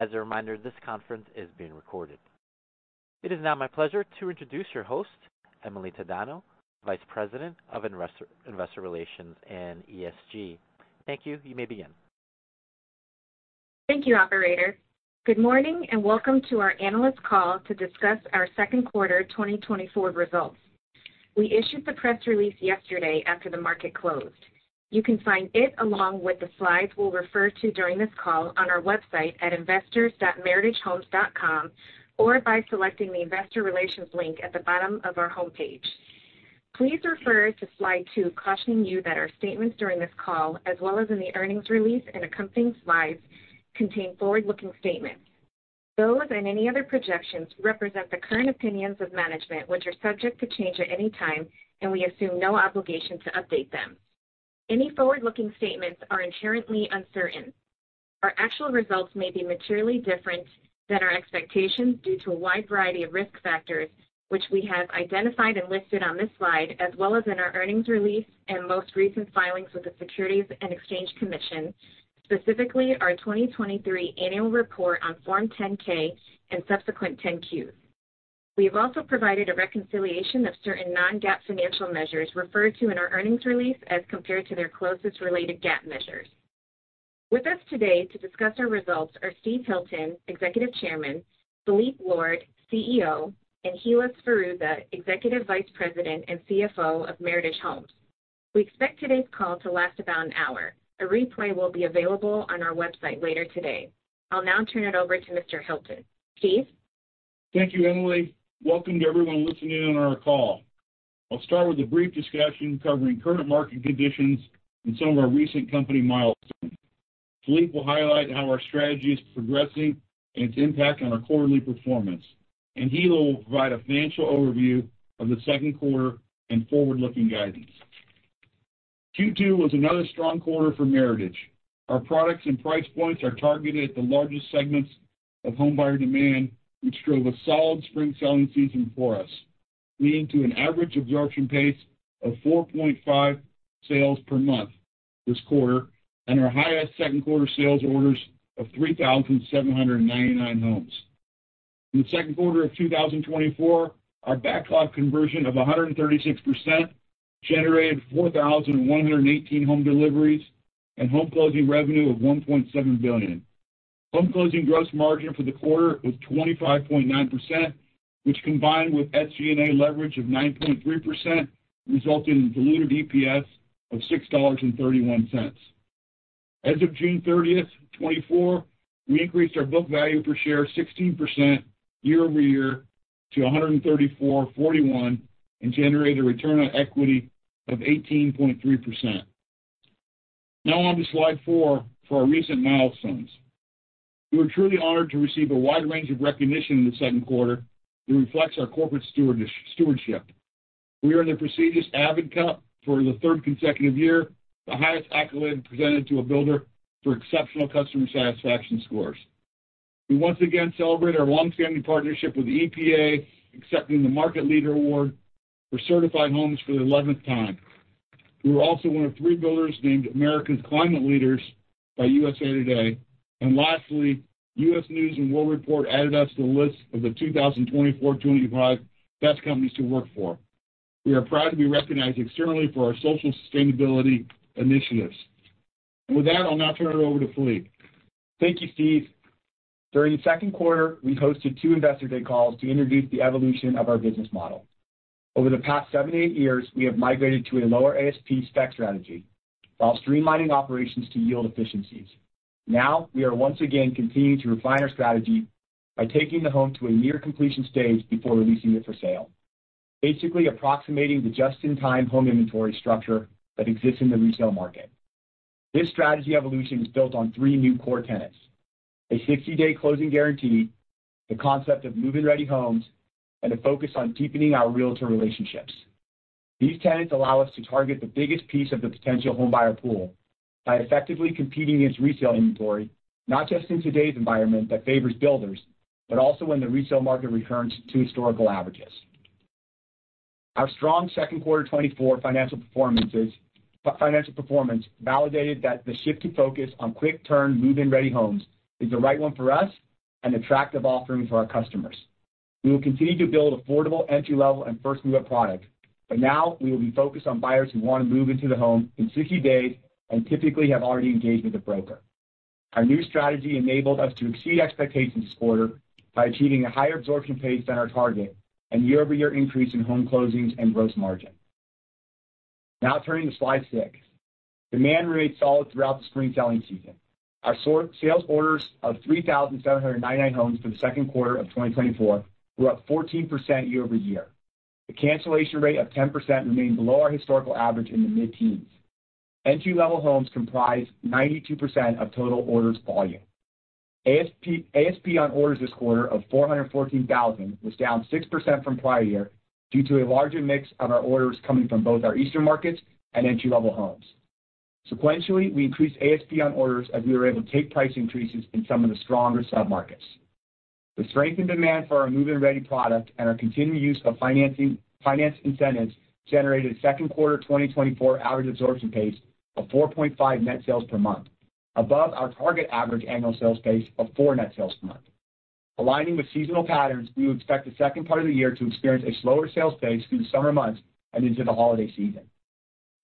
As a reminder, this conference is being recorded. It is now my pleasure to introduce your host, Emily Tadano, Vice President of Investor Relations and ESG. Thank you. You may begin. Thank you, Operator. Good morning and welcome to our Analyst Call to discuss our second quarter 2024 results. We issued the press release yesterday after the market closed. You can find it along with the slides we'll refer to during this call on our website at investors.meritagehomes.com or by selecting the Investor Relations link at the bottom of our homepage. Please refer to slide two cautioning you that our statements during this call, as well as in the earnings release and accompanying slides, contain forward-looking statements. Those and any other projections represent the current opinions of management, which are subject to change at any time, and we assume no obligation to update them. Any forward-looking statements are inherently uncertain. Our actual results may be materially different than our expectations due to a wide variety of risk factors, which we have identified and listed on this slide, as well as in our earnings release and most recent filings with the Securities and Exchange Commission, specifically our 2023 annual report on Form 10-K and subsequent 10-Qs. We have also provided a reconciliation of certain non-GAAP financial measures referred to in our earnings release as compared to their closest related GAAP measures. With us today to discuss our results are Steven Hilton, Executive Chairman; Phillippe Lord, CEO; and Hilla Sferruzza, Executive Vice President and CFO of Meritage Homes. We expect today's call to last about an hour. A replay will be available on our website later today. I'll now turn it over to Mr. Hilton. Steve? Thank you, Emily. Welcome to everyone listening on our call. I'll start with a brief discussion covering current market conditions and some of our recent company milestones. Phillippe will highlight how our strategy is progressing and its impact on our quarterly performance, and Hilla will provide a financial overview of the second quarter and forward-looking guidance. Q2 was another strong quarter for Meritage. Our products and price points are targeted at the largest segments of home buyer demand, which drove a solid spring selling season for us, leading to an average absorption pace of 4.5 sales per month this quarter and our highest second quarter sales orders of 3,799 homes. In the second quarter of 2024, our backlog conversion of 136% generated 4,118 home deliveries and home closing revenue of $1.7 billion. Home closing gross margin for the quarter was 25.9%, which combined with SG&A leverage of 9.3% resulted in diluted EPS of $6.31. As of June 30, 2024, we increased our book value per share 16% year-over-year to $134.41 and generated a return on equity of 18.3%. Now on to slide four for our recent milestones. We were truly honored to receive a wide range of recognition in the second quarter that reflects our corporate stewardship. We won the prestigious Avid Cup for the third consecutive year, the highest accolade presented to a builder for exceptional customer satisfaction scores. We once again celebrate our longstanding partnership with EPA, accepting the Market Leader Award for certified homes for the 11th time. We were also one of three builders named America's Climate Leaders by USA TODAY. Lastly, U.S. News & World Report added us to the list of the 2024-2025 Best Companies to Work For. We are proud to be recognized externally for our social sustainability initiatives. With that, I'll now turn it over to Philippe. Thank you, Steve. During the second quarter, we hosted two investor day calls to introduce the evolution of our business model. Over the past 7 years-8 years, we have migrated to a lower ASP spec strategy while streamlining operations to yield efficiencies. Now we are once again continuing to refine our strategy by taking the home to a near completion stage before releasing it for sale, basically approximating the just-in-time home inventory structure that exists in the retail market. This strategy evolution is built on three new core tenets: a 60-day closing guarantee, the concept of move-in ready homes, and a focus on deepening our Realtor relationships. These tenets allow us to target the biggest piece of the potential home buyer pool by effectively competing against retail inventory, not just in today's environment that favors builders, but also when the retail market returns to historical averages. Our strong second quarter 2024 financial performance validated that the shift to focus on quick-turn move-in ready homes is the right one for us and attractive offering for our customers. We will continue to build affordable entry-level and first-mover product, but now we will be focused on buyers who want to move into the home in 60 days and typically have already engaged with a broker. Our new strategy enabled us to exceed expectations this quarter by achieving a higher absorption pace than our target and year-over-year increase in home closings and gross margin. Now turning to slide six, demand remained solid throughout the spring selling season. Our sales orders of 3,799 homes for the second quarter of 2024 were up 14% year-over-year. The cancellation rate of 10% remained below our historical average in the mid-teens. Entry-level homes comprised 92% of total orders volume. ASP on orders this quarter of $414,000 was down 6% from prior year due to a larger mix of our orders coming from both our Eastern markets and entry-level homes. Sequentially, we increased ASP on orders as we were able to take price increases in some of the stronger sub-markets. The strength in demand for our move-in ready product and our continued use of finance incentives generated second quarter 2024 average absorption pace of 4.5 net sales per month, above our target average annual sales pace of 4 net sales per month. Aligning with seasonal patterns, we would expect the second part of the year to experience a slower sales pace through the summer months and into the holiday season.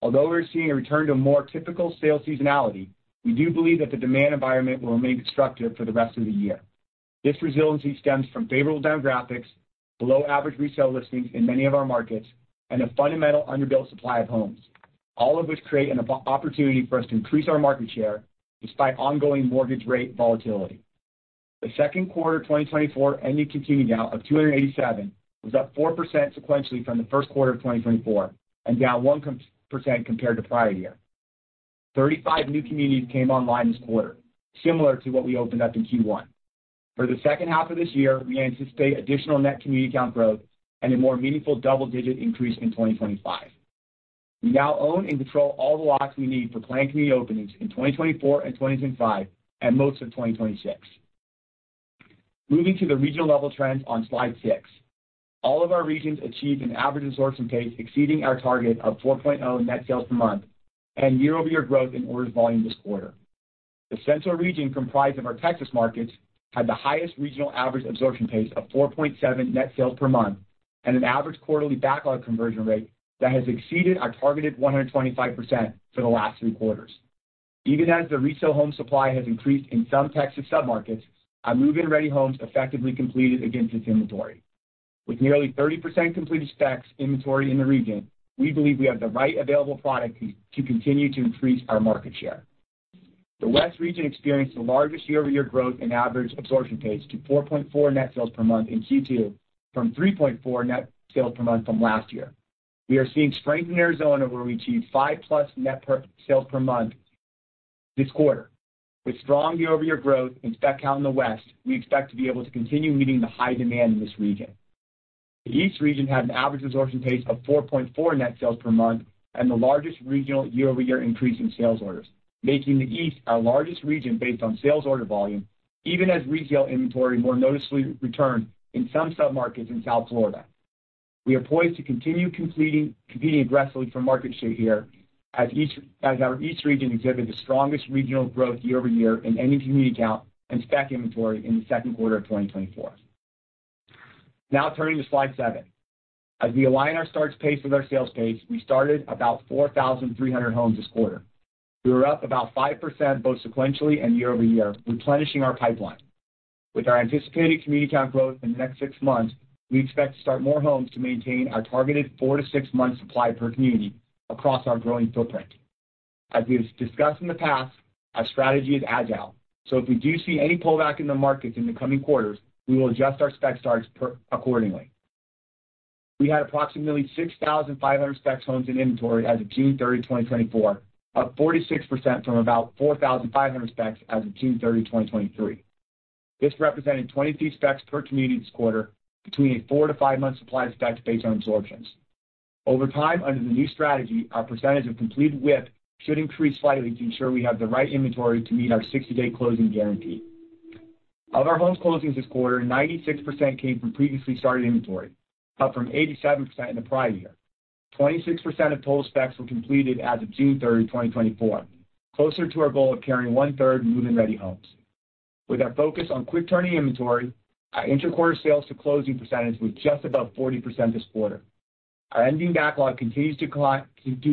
Although we're seeing a return to more typical sales seasonality, we do believe that the demand environment will remain constructive for the rest of the year. This resiliency stems from favorable demographics, below average resale listings in many of our markets, and a fundamental underbuilt supply of homes, all of which create an opportunity for us to increase our market share despite ongoing mortgage rate volatility. The second quarter 2024 ending with continuing orders of 287 was up 4% sequentially from the first quarter of 2024 and down 1% compared to the prior year. 35 new communities came online this quarter, similar to what we opened up in Q1. For the second half of this year, we anticipate additional net community count growth and a more meaningful double-digit increase in 2025. We now own and control all the lots we need for planned community openings in 2024 and 2025 and most of 2026. Moving to the regional level trends on slide six, all of our regions achieved an average absorption pace exceeding our target of 4.0 net sales per month and year-over-year growth in orders volume this quarter. The Central Region comprised of our Texas markets had the highest regional average absorption pace of 4.7 net sales per month and an average quarterly backlog conversion rate that has exceeded our targeted 125% for the last three quarters. Even as the retail home supply has increased in some Texas sub-markets, our move-in ready homes effectively completed against this inventory. With nearly 30% completed specs inventory in the region, we believe we have the right available product to continue to increase our market share. The West Region experienced the largest year-over-year growth in average absorption pace to 4.4 net sales per month in Q2 from 3.4 net sales per month from last year. We are seeing strength in Arizona where we achieved 5+ net sales per month this quarter. With strong year-over-year growth and spec count in the West, we expect to be able to continue meeting the high demand in this region. The East Region had an average absorption pace of 4.4 net sales per month and the largest regional year-over-year increase in sales orders, making the East our largest region based on sales order volume, even as retail inventory more noticeably returned in some sub-markets in South Florida. We are poised to continue competing aggressively for market share here as our East Region exhibits the strongest regional growth year-over-year in any community count and spec inventory in the second quarter of 2024. Now turning to slide seven, as we align our starts pace with our sales pace, we started about 4,300 homes this quarter. We were up about 5% both sequentially and year-over-year, replenishing our pipeline. With our anticipated community count growth in the next six months, we expect to start more homes to maintain our targeted 4 month-6 month supply per community across our growing footprint. As we have discussed in the past, our strategy is agile, so if we do see any pullback in the markets in the coming quarters, we will adjust our spec starts accordingly. We had approximately 6,500 spec homes in inventory as of June 30, 2024, up 46% from about 4,500 specs as of June 30, 2023. This represented 23 specs per community this quarter between a 4 month-5 month spec supply based on absorptions. Over time, under the new strategy, our percentage of competed WIP should increase slightly to ensure we have the right inventory to meet our 60-day closing guarantee. Of our home closings this quarter, 96% came from previously started inventory, up from 87% in the prior year. 26% of total specs were completed as of June 30, 2024, closer to our goal of carrying one-third move-in ready homes. With our focus on quick-turning inventory, our interquarter sales to closing percentage was just above 40% this quarter. Our ending backlog continues to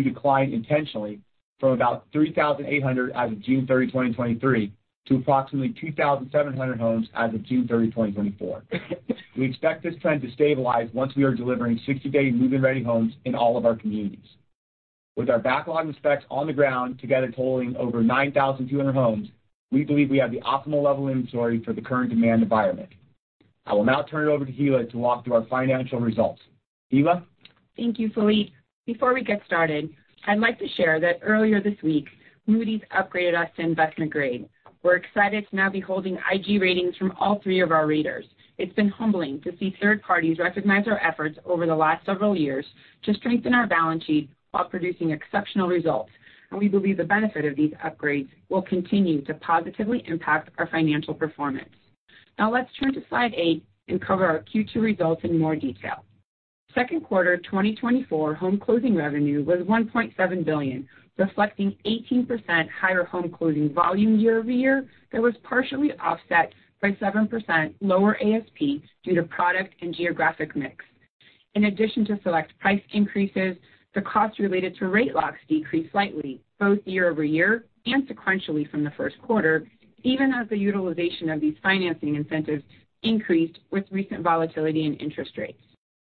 decline intentionally from about 3,800 as of June 30, 2023, to approximately 2,700 homes as of June 30, 2024. We expect this trend to stabilize once we are delivering 60-day move-in ready homes in all of our communities. With our backlog and specs on the ground together totaling over 9,200 homes, we believe we have the optimal level of inventory for the current demand environment. I will now turn it over to Hilla to walk through our financial results. Hilla? Thank you, Philippe. Before we get started, I'd like to share that earlier this week, Moody's upgraded us to investment grade. We're excited to now be holding IG ratings from all three of our raters. It's been humbling to see third parties recognize our efforts over the last several years to strengthen our balance sheet while producing exceptional results, and we believe the benefit of these upgrades will continue to positively impact our financial performance. Now let's turn to slide eight and cover our Q2 results in more detail. Second quarter 2024 home closing revenue was $1.7 billion, reflecting 18% higher home closing volume year-over-year that was partially offset by 7% lower ASP due to product and geographic mix. In addition to select price increases, the costs related to rate locks decreased slightly, both year-over-year and sequentially from the first quarter, even as the utilization of these financing incentives increased with recent volatility in interest rates.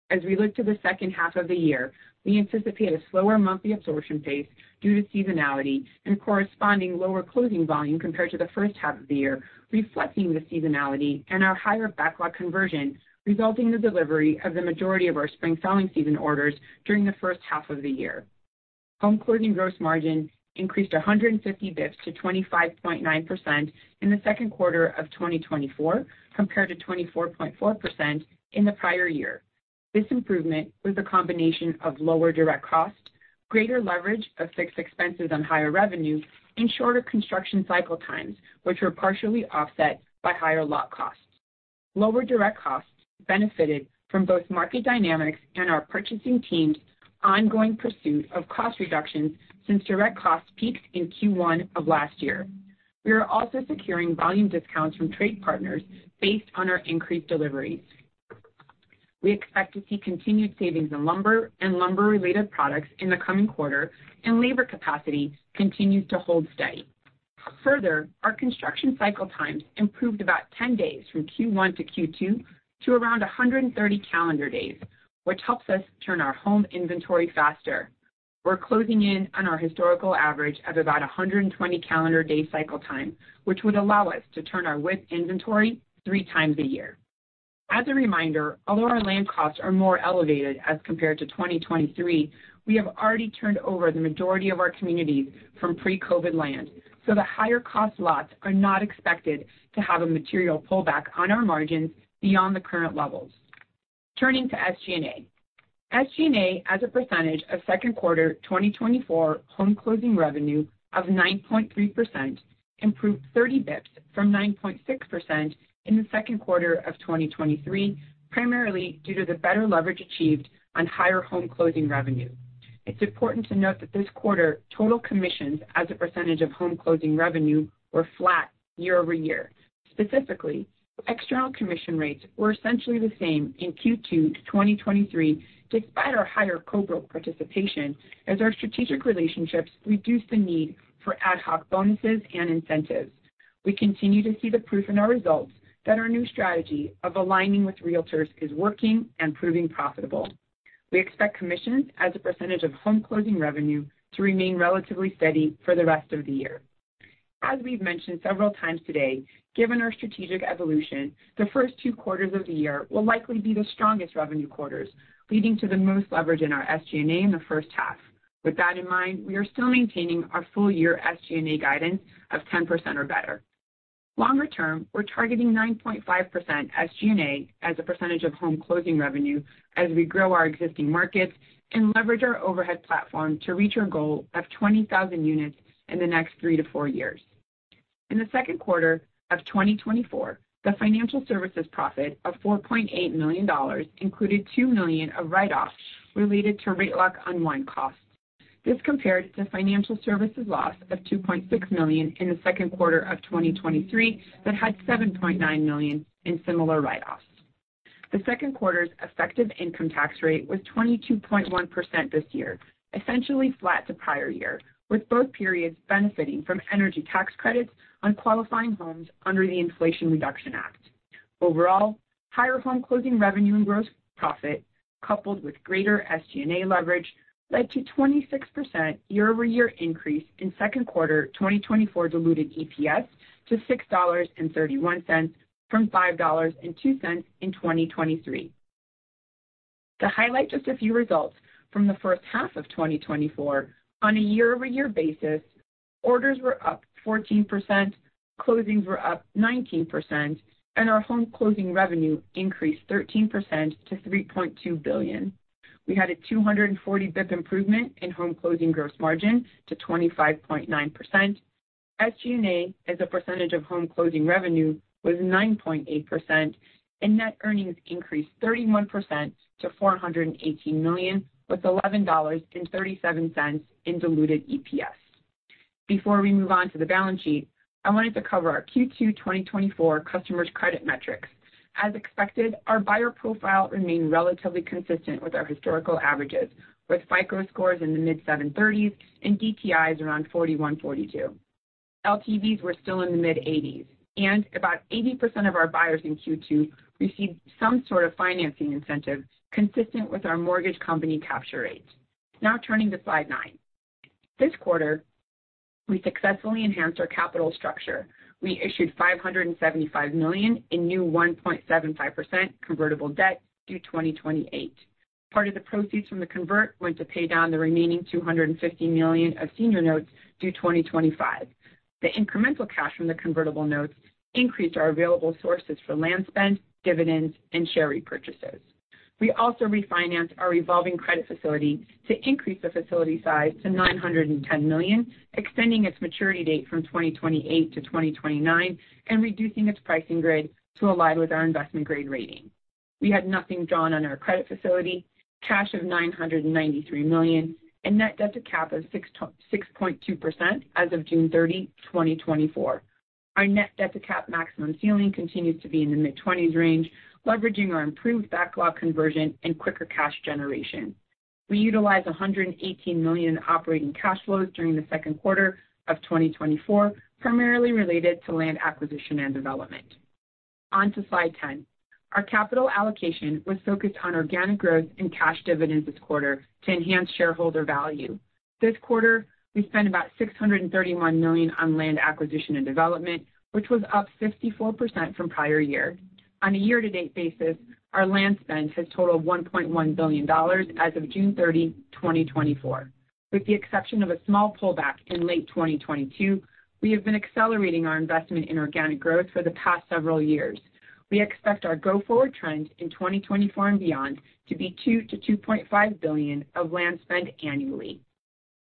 As we look to the second half of the year, we anticipate a slower monthly absorption pace due to seasonality and corresponding lower closing volume compared to the first half of the year, reflecting the seasonality and our higher backlog conversion resulting in the delivery of the majority of our spring selling season orders during the first half of the year. Home closing gross margin increased 150 basis points to 25.9% in the second quarter of 2024 compared to 24.4% in the prior year. This improvement was a combination of lower direct cost, greater leverage of fixed expenses on higher revenue, and shorter construction cycle times, which were partially offset by higher lot costs. Lower direct costs benefited from both market dynamics and our purchasing team's ongoing pursuit of cost reductions since direct costs peaked in Q1 of last year. We are also securing volume discounts from trade partners based on our increased deliveries. We expect to see continued savings in lumber and lumber-related products in the coming quarter, and labor capacity continues to hold steady. Further, our construction cycle times improved about 10 days from Q1-Q2 to around 130 calendar days, which helps us turn our home inventory faster. We're closing in on our historical average of about 120 calendar day cycle time, which would allow us to turn our WIP inventory 3x a year. As a reminder, although our land costs are more elevated as compared to 2023, we have already turned over the majority of our communities from pre-COVID land, so the higher cost lots are not expected to have a material pullback on our margins beyond the current levels. Turning to SG&A, SG&A as a percentage of second quarter 2024 home closing revenue of 9.3% improved 30 basis points from 9.6% in the second quarter of 2023, primarily due to the better leverage achieved on higher home closing revenue. It's important to note that this quarter, total commissions as a percentage of home closing revenue were flat year-over-year. Specifically, external commission rates were essentially the same in Q2 2023 despite our higher co-broke participation as our strategic relationships reduced the need for ad hoc bonuses and incentives. We continue to see the proof in our results that our new strategy of aligning with Realtors is working and proving profitable. We expect commissions as a percentage of home closing revenue to remain relatively steady for the rest of the year. As we've mentioned several times today, given our strategic evolution, the first two quarters of the year will likely be the strongest revenue quarters, leading to the most leverage in our SG&A in the first half. With that in mind, we are still maintaining our full-year SG&A guidance of 10% or better. Longer term, we're targeting 9.5% SG&A as a percentage of home closing revenue as we grow our existing markets and leverage our overhead platform to reach our goal of 20,000 units in the next 3 years-4 years. In the second quarter of 2024, the financial services profit of $4.8 million included $2 million of write-offs related to rate lock unwind costs. This compared to financial services loss of $2.6 million in the second quarter of 2023 that had $7.9 million in similar write-offs. The second quarter's effective income tax rate was 22.1% this year, essentially flat to prior year, with both periods benefiting from energy tax credits on qualifying homes under the Inflation Reduction Act. Overall, higher home closing revenue and gross profit, coupled with greater SG&A leverage, led to a 26% year-over-year increase in second quarter 2024 diluted EPS to $6.31 from $5.02 in 2023. To highlight just a few results from the first half of 2024, on a year-over-year basis, orders were up 14%, closings were up 19%, and our home closing revenue increased 13% to $3.2 billion. We had a 240 basis points improvement in home closing gross margin to 25.9%. SG&A as a percentage of home closing revenue was 9.8%, and net earnings increased 31% to $418 million with $11.37 in diluted EPS. Before we move on to the balance sheet, I wanted to cover our Q2 2024 customers' credit metrics. As expected, our buyer profile remained relatively consistent with our historical averages, with FICO scores in the mid-730s and DTIs around 41-42. LTVs were still in the mid-80s, and about 80% of our buyers in Q2 received some sort of financing incentive consistent with our mortgage company capture rate. Now turning to slide nine. This quarter, we successfully enhanced our capital structure. We issued $575 million in new 1.75% convertible debt due 2028. Part of the proceeds from the convert went to pay down the remaining $250 million of senior notes due 2025. The incremental cash from the convertible notes increased our available sources for land spend, dividends, and share repurchases. We also refinanced our revolving credit facility to increase the facility size to $910 million, extending its maturity date from 2028 to 2029, and reducing its pricing grade to align with our investment grade rating. We had nothing drawn on our credit facility, cash of $993 million, and net debt to cap of 6.2% as of June 30, 2024. Our net debt to cap maximum ceiling continues to be in the mid-20s range, leveraging our improved backlog conversion and quicker cash generation. We utilized $118 million in operating cash flows during the second quarter of 2024, primarily related to land acquisition and development. On to slide 10. Our capital allocation was focused on organic growth and cash dividends this quarter to enhance shareholder value. This quarter, we spent about $631 million on land acquisition and development, which was up 54% from prior year. On a year-to-date basis, our land spend has totaled $1.1 billion as of June 30, 2024. With the exception of a small pullback in late 2022, we have been accelerating our investment in organic growth for the past several years. We expect our go-forward trend in 2024 and beyond to be $2 billion-$2.5 billion of land spend annually.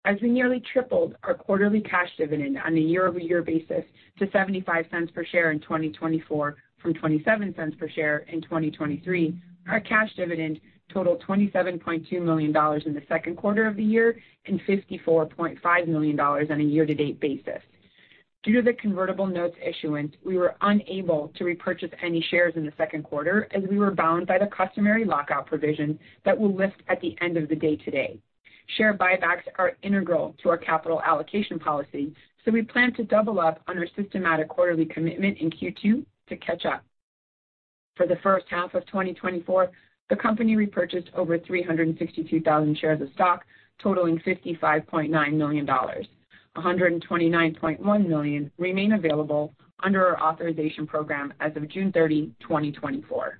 As we nearly tripled our quarterly cash dividend on a year-over-year basis to $0.75 per share in 2024 from $0.27 per share in 2023, our cash dividend totaled $27.2 million in the second quarter of the year and $54.5 million on a year-to-date basis. Due to the convertible notes issuance, we were unable to repurchase any shares in the second quarter as we were bound by the customary lockout provision that will lift at the end of the day today. Share buybacks are integral to our capital allocation policy, so we plan to double up on our systematic quarterly commitment in Q2 to catch up. For the first half of 2024, the company repurchased over 362,000 shares of stock, totaling $55.9 million. $129.1 million remained available under our authorization program as of June 30, 2024.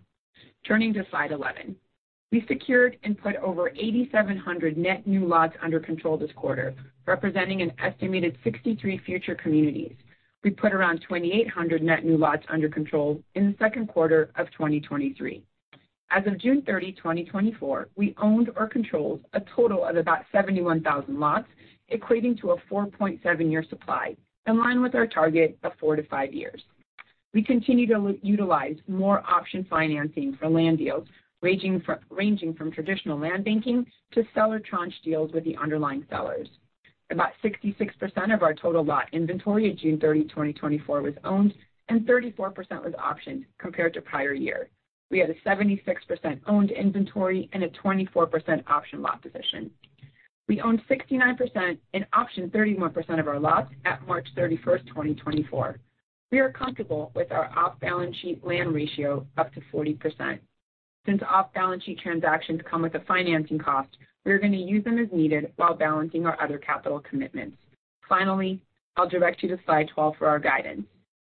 Turning to slide 11, we secured and put over 8,700 net new lots under control this quarter, representing an estimated 63 future communities. We put around 2,800 net new lots under control in the second quarter of 2023. As of June 30, 2024, we owned or controlled a total of about 71,000 lots, equating to a 4.7-year supply, in line with our target of 4 years-5 years. We continue to utilize more option financing for land deals, ranging from traditional land banking to seller tranche deals with the underlying sellers. About 66% of our total lot inventory at June 30, 2024, was owned, and 34% was optioned compared to prior year. We had a 76% owned inventory and a 24% option lot position. We owned 69% and optioned 31% of our lots at March 31, 2024. We are comfortable with our off-balance sheet land ratio up to 40%. Since off-balance sheet transactions come with a financing cost, we are going to use them as needed while balancing our other capital commitments. Finally, I'll direct you to slide 12 for our guidance.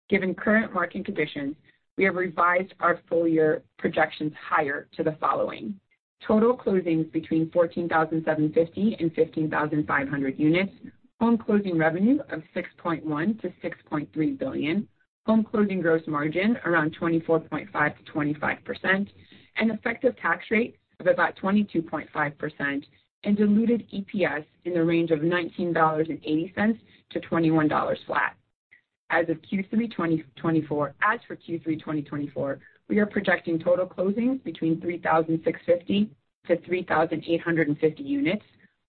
Given current market conditions, we have revised our full-year projections higher to the following: total closings between 14,750 and 15,500 units, home closing revenue of $6.1 billion-$6.3 billion, home closing gross margin around 24.5%-25%, an effective tax rate of about 22.5%, and diluted EPS in the range of $19.80-$21.00 flat. As of Q3 2024, as for Q3 2024, we are projecting total closings between 3,650 and 3,850 units,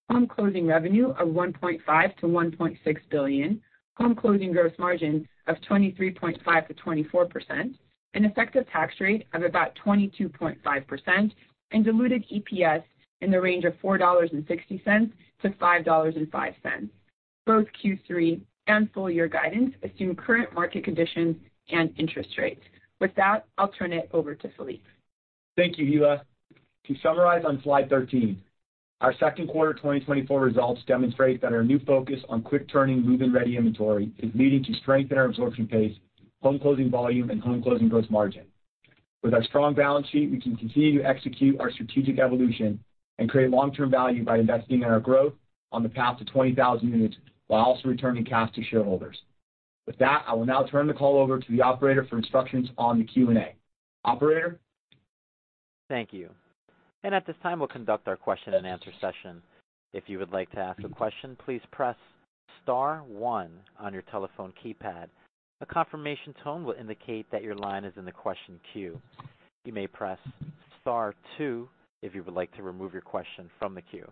home closing revenue of $1.5 billion-$1.6 billion, home closing gross margin of 23.5%-24%, an effective tax rate of about 22.5%, and diluted EPS in the range of $4.60-$5.05. Both Q3 and full-year guidance assume current market conditions and interest rates. With that, I'll turn it over to Philippe. Thank you, Hilla. To summarize on slide 13, our second quarter 2024 results demonstrate that our new focus on quick-turning, move-in-ready inventory is leading to strength in our absorption pace, home closing volume, and home closing gross margin. With our strong balance sheet, we can continue to execute our strategic evolution and create long-term value by investing in our growth on the path to 20,000 units while also returning cash to shareholders. With that, I will now turn the call over to the operator for instructions on the Q&A. Operator? Thank you. And at this time, we'll conduct our question-and-answer session. If you would like to ask a question, please press star one on your telephone keypad. A confirmation tone will indicate that your line is in the question queue. You may press star two if you would like to remove your question from the queue.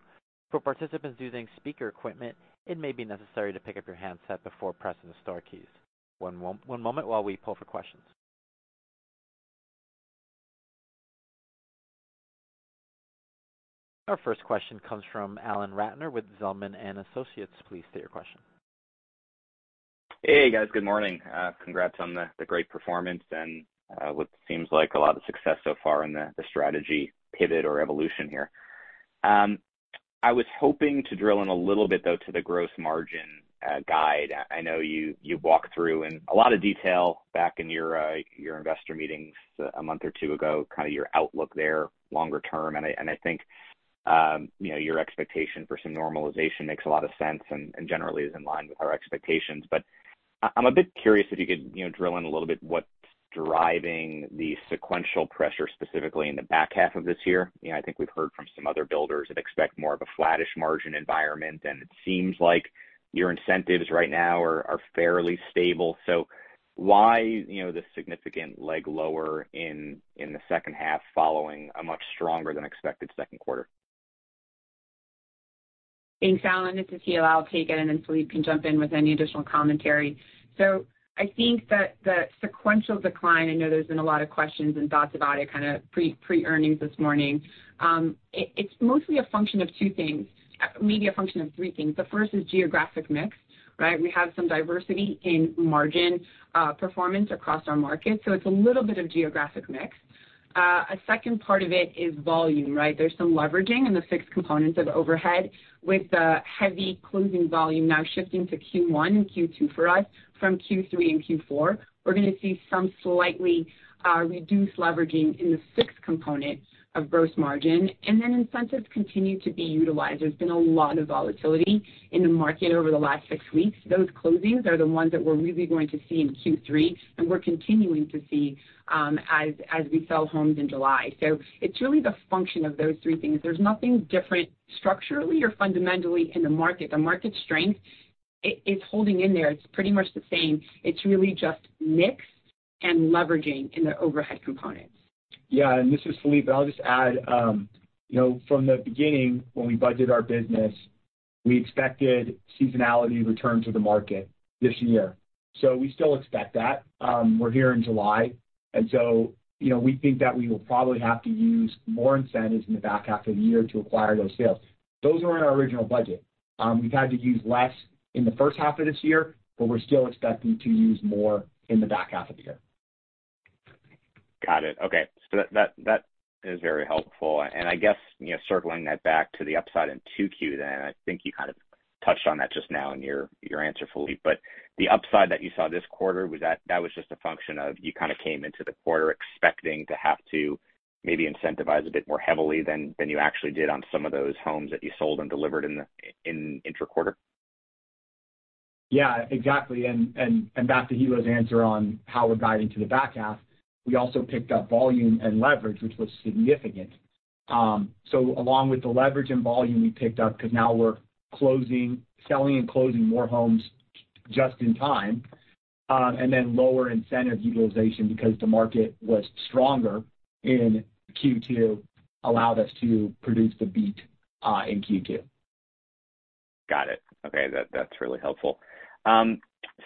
For participants using speaker equipment, it may be necessary to pick up your handset before pressing the star keys. One moment while we pull for questions. Our first question comes from Alan Ratner with Zelman & Associates. Please state your question. Hey, guys. Good morning. Congrats on the great performance and what seems like a lot of success so far in the strategy pivot or evolution here. I was hoping to drill in a little bit, though, to the gross margin guide. I know you walked through in a lot of detail back in your investor meetings a month or two ago, kind of your outlook there longer term. I think your expectation for some normalization makes a lot of sense and generally is in line with our expectations. But I'm a bit curious if you could drill in a little bit what's driving the sequential pressure specifically in the back half of this year. I think we've heard from some other builders that expect more of a flattish margin environment, and it seems like your incentives right now are fairly stable. So why this significant leg lower in the second half following a much stronger-than-expected second quarterT Thanks, Alan. This is Hilla. I'll take it, and then Philippe can jump in with any additional commentary. So I think that the sequential decline, I know there's been a lot of questions and thoughts about it kind of pre-earnings this morning. It's mostly a function of two things, maybe a function of three things. The first is geographic mix, right? We have some diversity in margin performance across our market, so it's a little bit of geographic mix. A second part of it is volume, right? There's some leveraging in the fixed components of overhead with the heavy closing volume now shifting to Q1 and Q2 for us from Q3 and Q4. We're going to see some slightly reduced leveraging in the fixed component of gross margin. And then incentives continue to be utilized. There's been a lot of volatility in the market over the last six weeks. Those closings are the ones that we're really going to see in Q3, and we're continuing to see as we sell homes in July. So it's really the function of those three things. There's nothing different structurally or fundamentally in the market. The market strength is holding in there. It's pretty much the same. It's really just mix and leveraging in the overhead components. Yeah. And this is Philippe. I'll just add, from the beginning, when we budget our business, we expected seasonality returned to the market this year. So we still expect that. We're here in July. And so we think that we will probably have to use more incentives in the back half of the year to acquire those sales. Those were in our original budget. We've had to use less in the first half of this year, but we're still expecting to use more in the back half of the year. Got it. Okay. So that is very helpful. And I guess circling that back to the upside in Q2 then, I think you kind of touched on that just now in your answer, Philippe. But the upside that you saw this quarter, that was just a function of you kind of came into the quarter expecting to have to maybe incentivize a bit more heavily than you actually did on some of those homes that you sold and delivered in intra-quarter? Yeah, exactly. And back to Hilla's answer on how we're guiding to the back half, we also picked up volume and leverage, which was significant. So along with the leverage and volume we picked up because now we're selling and closing more homes just in time. And then lower incentive utilization because the market was stronger in Q2 allowed us to produce the beat in Q2. Got it. Okay. That's really helpful.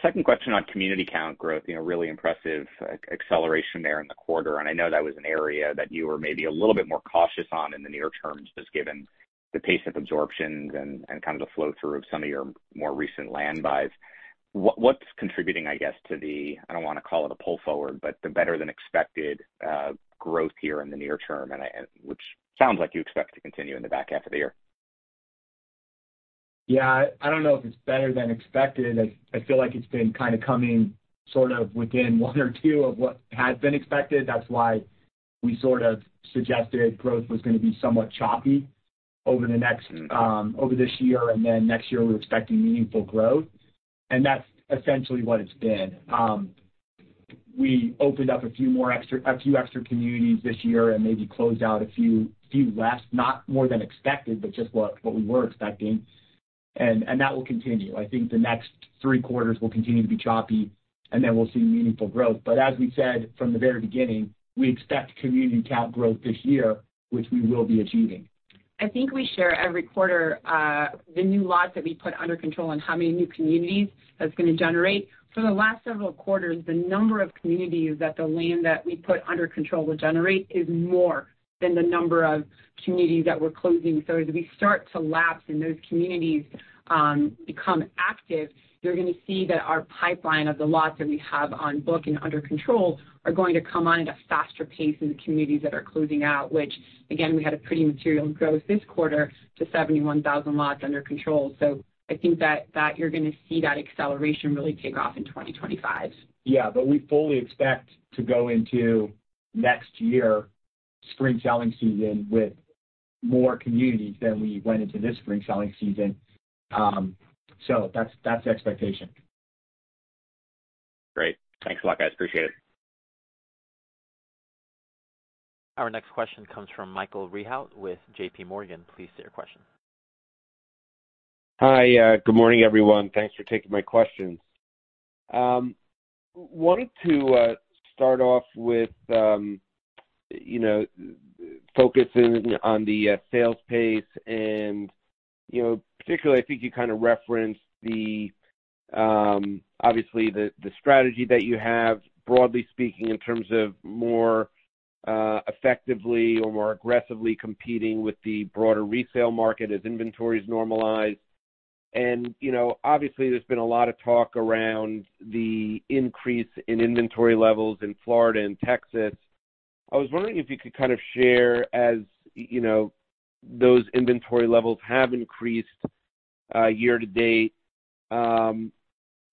Second question on community count growth, really impressive acceleration there in the quarter. I know that was an area that you were maybe a little bit more cautious on in the near term just given the pace of absorptions and kind of the flow-through of some of your more recent land buys. What's contributing, I guess, to the—I don't want to call it a pull forward, but the better-than-expected growth here in the near term, which sounds like you expect to continue in the back half of the year? Yeah. I don't know if it's better than expected. I feel like it's been kind of coming sort of within one or two of what had been expected. That's why we sort of suggested growth was going to be somewhat choppy over this year. Then next year, we're expecting meaningful growth. And that's essentially what it's been. We opened up a few extra communities this year and maybe closed out a few less, not more than expected, but just what we were expecting. That will continue. I think the next three quarters will continue to be choppy, and then we'll see meaningful growth. But as we said from the very beginning, we expect community count growth this year, which we will be achieving. I think we share every quarter the new lots that we put under control and how many new communities that's going to generate. For the last several quarters, the number of communities that the land that we put under control will generate is more than the number of communities that we're closing. So as we start to lapse and those communities become active, you're going to see that our pipeline of the lots that we have on book and under control are going to come on at a faster pace than the communities that are closing out, which, again, we had a pretty material growth this quarter to 71,000 lots under control. So I think that you're going to see that acceleration really take off in 2025. Yeah. But we fully expect to go into next year's spring selling season with more communities than we went into this spring selling season. So that's the expectation. Great. Thanks a lot, guys. Appreciate it. Our next question comes from Michael Rehaut with J.P. Morgan. Please state your question. Hi. Good morning, everyone. Thanks for taking my questions. Wanted to start off with focusing on the sales pace. Particularly, I think you kind of referenced, obviously, the strategy that you have, broadly speaking, in terms of more effectively or more aggressively competing with the broader resale market as inventories normalize. Obviously, there's been a lot of talk around the increase in inventory levels in Florida and Texas. I was wondering if you could kind of share, as those inventory levels have increased year to date, how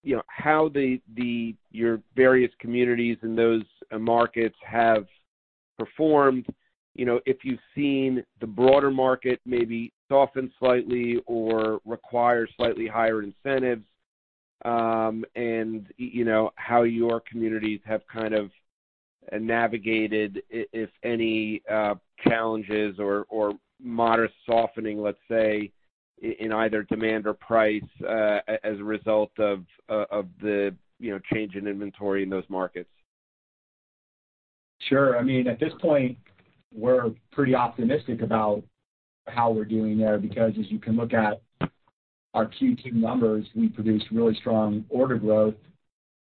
your various communities in those markets have performed, if you've seen the broader market maybe soften slightly or require slightly higher incentives, and how your communities have kind of navigated, if any, challenges or modest softening, let's say, in either demand or price as a result of the change in inventory in those markets. Sure. I mean, at this point, we're pretty optimistic about how we're doing there because, as you can look at our Q2 numbers, we produced really strong order growth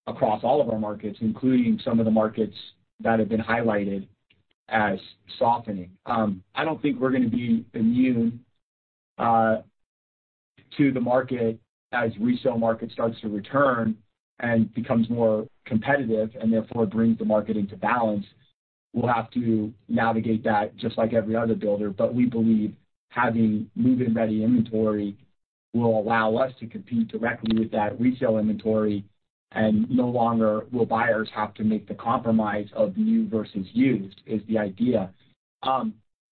across all of our markets, including some of the markets that have been highlighted as softening. I don't think we're going to be immune to the market as resale market starts to return and becomes more competitive and therefore brings the market into balance. We'll have to navigate that just like every other builder. But we believe having move-in-ready inventory will allow us to compete directly with that resale inventory, and no longer will buyers have to make the compromise of new versus used is the idea.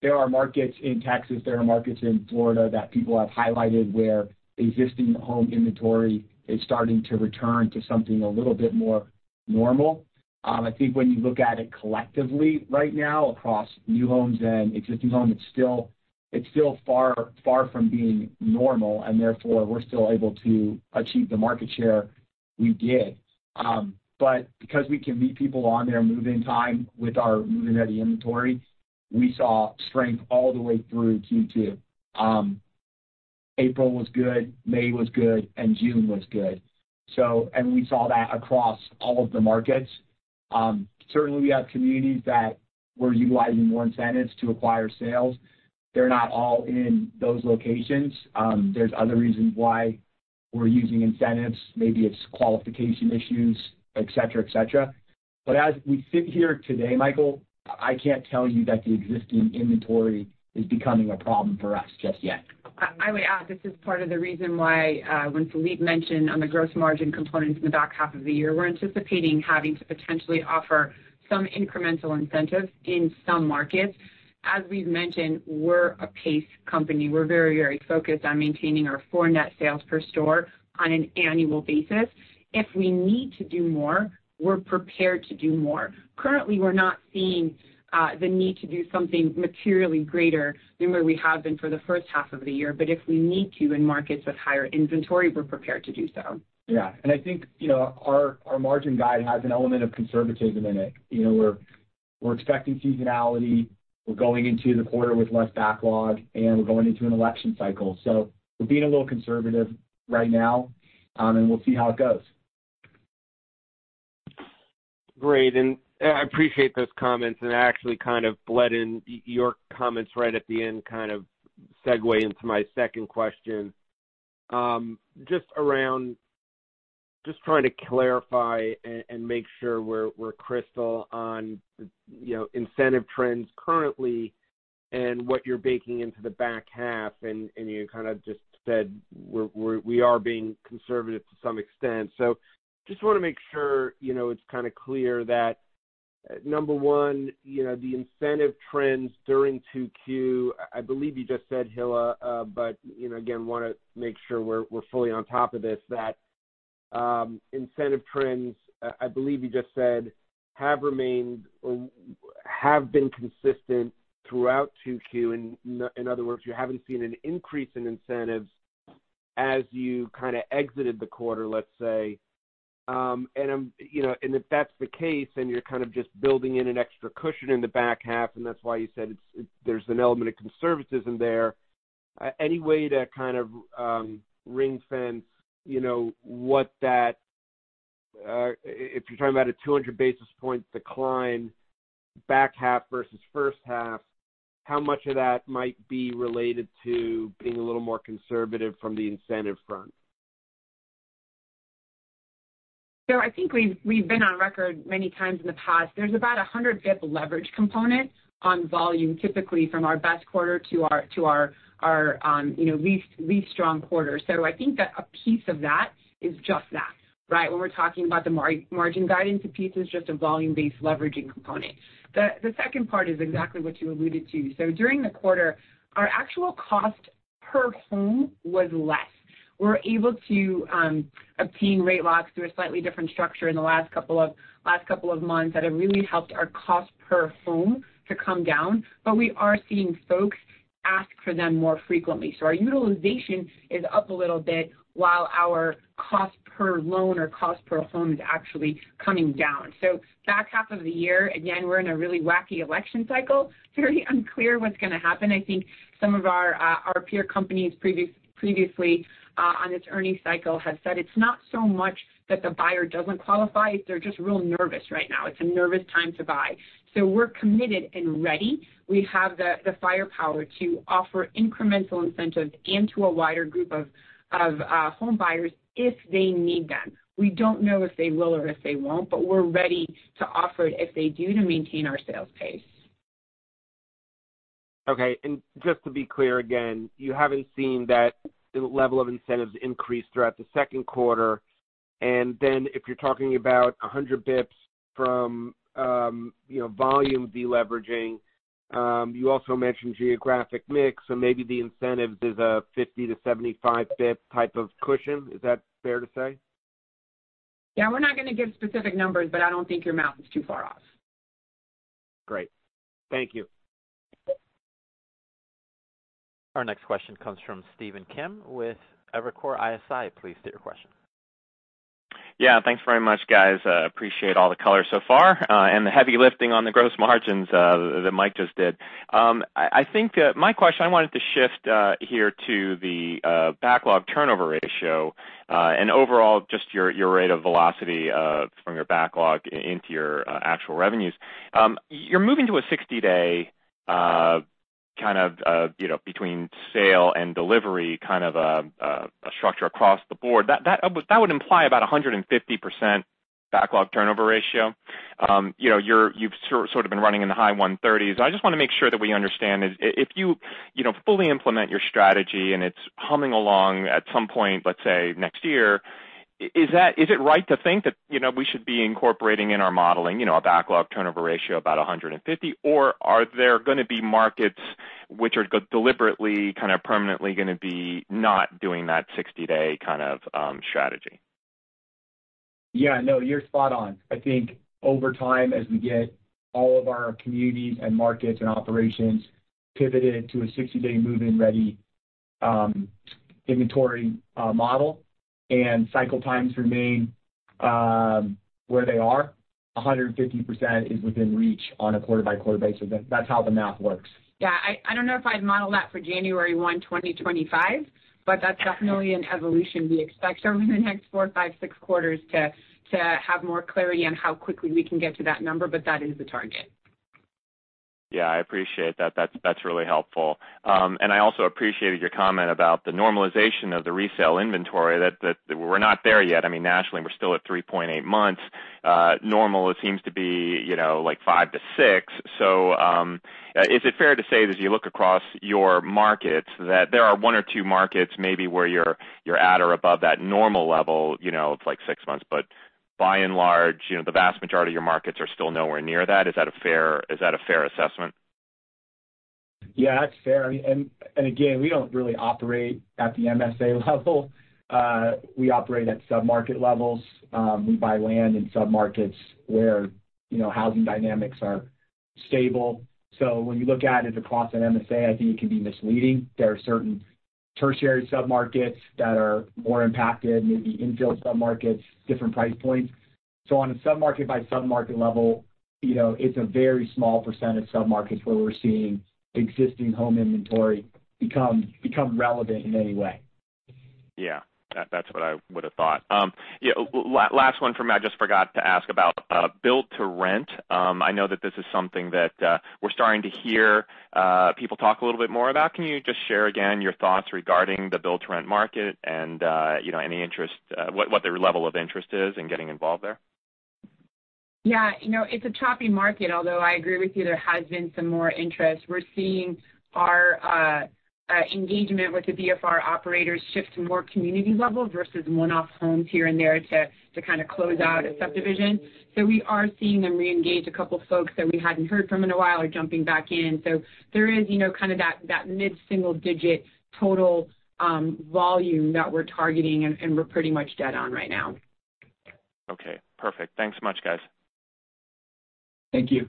There are markets in Texas. There are markets in Florida that people have highlighted where existing home inventory is starting to return to something a little bit more normal. I think when you look at it collectively right now across new homes and existing homes, it's still far from being normal. And therefore, we're still able to achieve the market share we did. But because we can meet people on their move-in time with our move-in-ready inventory, we saw strength all the way through Q2. April was good. May was good. And June was good. And we saw that across all of the markets. Certainly, we have communities that were utilizing more incentives to acquire sales. They're not all in those locations. There's other reasons why we're using incentives. Maybe it's qualification issues, etc., etc. But as we sit here today, Michael, I can't tell you that the existing inventory is becoming a problem for us just yet. I would add this is part of the reason why, when Philippe mentioned on the gross margin components in the back half of the year, we're anticipating having to potentially offer some incremental incentives in some markets. As we've mentioned, we're a pace company. We're very, very focused on maintaining our four-net sales per store on an annual basis. If we need to do more, we're prepared to do more. Currently, we're not seeing the need to do something materially greater than where we have been for the first half of the year. But if we need to in markets with higher inventory, we're prepared to do so. Yeah. And I think our margin guide has an element of conservatism in it. We're expecting seasonality. We're going into the quarter with less backlog, and we're going into an election cycle. So we're being a little conservative right now, and we'll see how it goes. Great. I appreciate those comments. I actually kind of led in your comments right at the end, kind of segue into my second question. Just trying to clarify and make sure we're crystal on incentive trends currently and what you're baking into the back half. You kind of just said we are being conservative to some extent. So just want to make sure it's kind of clear that, number one, the incentive trends during Q2, I believe you just said, Hilla, but again, want to make sure we're fully on top of this, that incentive trends, I believe you just said, have remained or have been consistent throughout Q2. In other words, you haven't seen an increase in incentives as you kind of exited the quarter, let's say. If that's the case, then you're kind of just building in an extra cushion in the back half. That's why you said there's an element of conservatism there. Any way to kind of ring-fence what that, if you're talking about a 200 basis point decline back half versus first half, how much of that might be related to being a little more conservative from the incentive front? I think we've been on record many times in the past. There's about a 100 basis point leverage component on volume, typically from our best quarter to our least strong quarter. So I think that a piece of that is just that, right? When we're talking about the margin guidance, a piece is just a volume-based leveraging component. The second part is exactly what you alluded to. So during the quarter, our actual cost per home was less. We're able to obtain rate locks through a slightly different structure in the last couple of months that have really helped our cost per home to come down. But we are seeing folks ask for them more frequently. So our utilization is up a little bit while our cost per loan or cost per home is actually coming down. So back half of the year, again, we're in a really wacky election cycle. Very unclear what's going to happen. I think some of our peer companies previously on this earnings cycle have said it's not so much that the buyer doesn't qualify. They're just real nervous right now. It's a nervous time to buy. So we're committed and ready. We have the firepower to offer incremental incentives and to a wider group of home buyers if they need them. We don't know if they will or if they won't, but we're ready to offer it if they do to maintain our sales pace. Okay. And just to be clear again, you haven't seen that level of incentives increase throughout the second quarter. And then if you're talking about 100 basis points from volume deleveraging, you also mentioned geographic mix. So maybe the incentives is a 50-75 basis points type of cushion. Is that fair to say? Yeah. We're not going to give specific numbers, but I don't think your math is too far off. Great. Thank you. Our next question comes from Stephen Kim with Evercore ISI. Please state your question. Yeah. Thanks very much, guys. Appreciate all the color so far and the heavy lifting on the gross margins that Mike just did. I think my question I wanted to shift here to the backlog turnover ratio and overall just your rate of velocity from your backlog into your actual revenues. You're moving to a 60-day kind of between sale and delivery kind of a structure across the board. That would imply about a 150% backlog turnover ratio. You've sort of been running in the high 130s. I just want to make sure that we understand if you fully implement your strategy and it's humming along at some point, let's say, next year, is it right to think that we should be incorporating in our modeling a backlog turnover ratio of about 150? Or are there going to be markets which are deliberately kind of permanently going to be not doing that 60-day kind of strategy? Yeah. No, you're spot on. I think over time, as we get all of our communities and markets and operations pivoted to a 60-day move-in-ready inventory model and cycle times remain where they are, 150% is within reach on a quarter-by-quarter basis. That's how the math works. Yeah. I don't know if I'd model that for January 1, 2025, but that's definitely an evolution we expect over the next four, five, six quarters to have more clarity on how quickly we can get to that number. But that is the target. Yeah. I appreciate that. That's really helpful. I also appreciated your comment about the normalization of the resale inventory. We're not there yet. I mean, nationally, we're still at 3.8 months. Normally, it seems to be like 5-6 months. So is it fair to say, as you look across your markets, that there are one or two markets maybe where you're at or above that normal level of like six months? But by and large, the vast majority of your markets are still nowhere near that. Is that a fair assessment? Yeah. That's fair. And again, we don't really operate at the MSA level. We operate at sub-market levels. We buy land in sub-markets where housing dynamics are stable. So when you look at it across an MSA, I think it can be misleading. There are certain tertiary sub-markets that are more impacted, maybe infill sub-markets, different price points. So on a sub-market-by-sub-market level, it's a very small percent of sub-markets where we're seeing existing home inventory become relevant in any way. Yeah. That's what I would have thought. Last one from I just forgot to ask about build-to-rent. I know that this is something that we're starting to hear people talk a little bit more about. Can you just share again your thoughts regarding the build-to-rent market and any interest, what their level of interest is in getting involved there? Yeah. It's a choppy market. Although I agree with you, there has been some more interest. We're seeing our engagement with the BTR operators shift to more community level versus one-off homes here and there to kind of close out a subdivision. So we are seeing them reengage. A couple of folks that we hadn't heard from in a while are jumping back in. So there is kind of that mid-single-digit total volume that we're targeting, and we're pretty much dead on right now. Okay. Perfect. Thanks so much, guys. Thank you.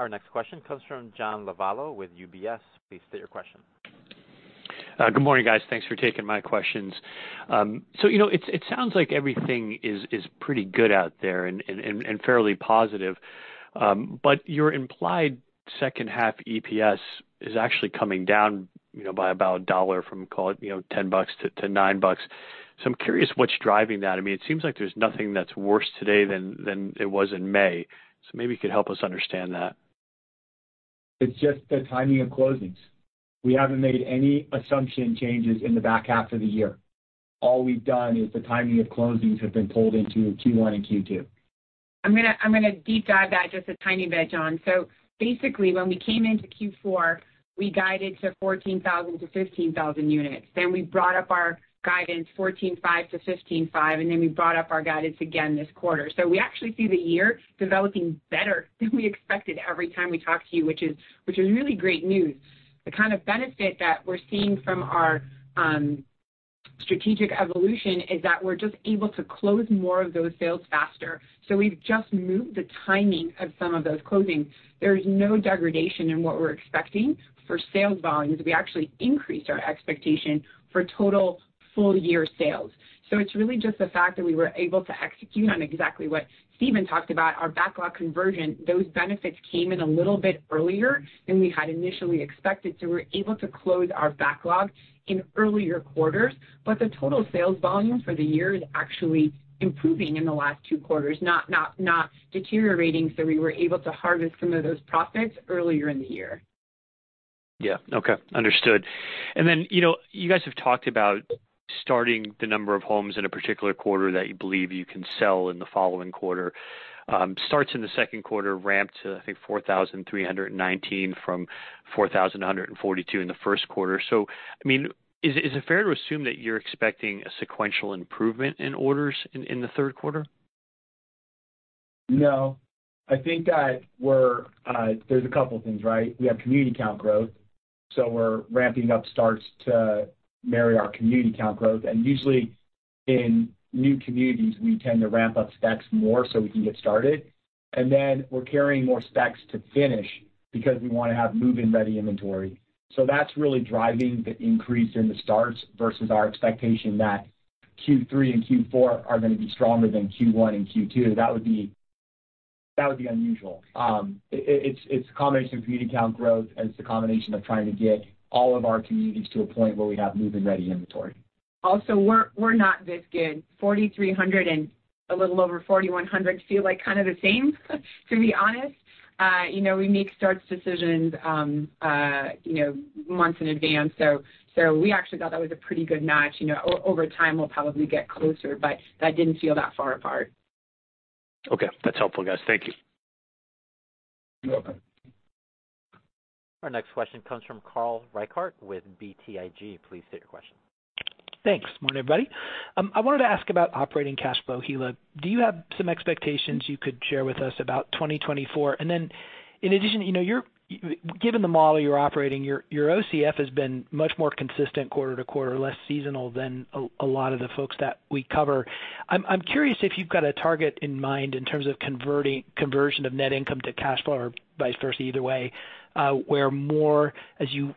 Our next question comes from John Lovallo with UBS. Please state your question. Good morning, guys. Thanks for taking my questions. So it sounds like everything is pretty good out there and fairly positive. But your implied second-half EPS is actually coming down by about $1 from, call it, $10-$9. So I'm curious what's driving that. I mean, it seems like there's nothing that's worse today than it was in May. So maybe you could help us understand that. It's just the timing of closings. We haven't made any assumption changes in the back half of the year. All we've done is the timing of closings have been pulled into Q1 and Q2. I'm going to deep dive that just a tiny bit, John. So basically, when we came into Q4, we guided to 14,000-15,000 units. Then we brought up our guidance 14,500-15,500 units. And then we brought up our guidance again this quarter. So we actually see the year developing better than we expected every time we talk to you, which is really great news. The kind of benefit that we're seeing from our strategic evolution is that we're just able to close more of those sales faster. So we've just moved the timing of some of those closings. There is no degradation in what we're expecting for sales volumes. We actually increased our expectation for total full-year sales. So it's really just the fact that we were able to execute on exactly what Stephen talked about, our backlog conversion. Those benefits came in a little bit earlier than we had initially expected. So we're able to close our backlog in earlier quarters. But the total sales volume for the year is actually improving in the last two quarters, not deteriorating. So we were able to harvest some of those profits earlier in the year. Yeah. Okay. Understood. And then you guys have talked about starting the number of homes in a particular quarter that you believe you can sell in the following quarter. Starts in the second quarter, ramped to, I think, 4,319 from 4,142 in the first quarter. So I mean, is it fair to assume that you're expecting a sequential improvement in orders in the third quarter? No. I think that there's a couple of things, right? We have community count growth. So we're ramping up starts to marry our community count growth. And usually, in new communities, we tend to ramp up specs more so we can get started. And then we're carrying more specs to finish because we want to have move-in-ready inventory. So that's really driving the increase in the starts versus our expectation that Q3 and Q4 are going to be stronger than Q1 and Q2. That would be unusual. It's a combination of community count growth, and it's a combination of trying to get all of our communities to a point where we have move-in-ready inventory. Also, we're not this good. 4,300 and a little over 4,100 feel like kind of the same, to be honest. We make starts decisions months in advance. So we actually thought that was a pretty good match. Over time, we'll probably get closer, but that didn't feel that far apart. Okay. That's helpful, guys. Thank you. You're welcome. Our next question comes from Carl Reichardt with BTIG. Please state your question. Thanks. Morning, everybody. I wanted to ask about operating cash flow. Hilla, do you have some expectations you could share with us about 2024? And then in addition, given the model you're operating, your OCF has been much more consistent quarter-to-quarter, less seasonal than a lot of the folks that we cover. I'm curious if you've got a target in mind in terms of conversion of net income to cash flow or vice versa, either way, where as you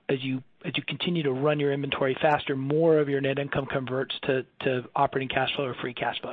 continue to run your inventory faster, more of your net income converts to operating cash flow or free cash flow?